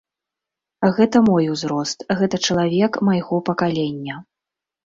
Гэта мой узрост, гэта чалавек майго пакалення.